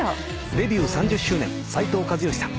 デビュー３０周年斉藤和義さん。